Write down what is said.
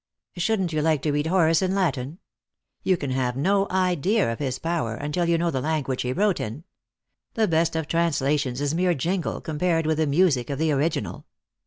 " Shouldn't you like to read Horace in Latin ? You can have no idea of his power until you know the language he wrote in. The best of translations is mere jingle compared with the music of the original."